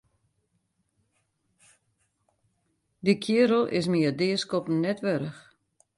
Dy keardel is my it deaskoppen net wurdich.